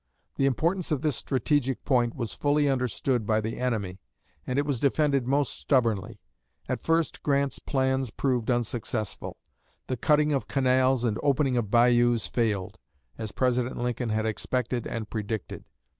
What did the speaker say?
The importance of this strategic point was fully understood by the enemy, and it was defended most stubbornly. At first Grant's plans proved unsuccessful; the cutting of canals and opening of bayous failed as President Lincoln had expected and predicted.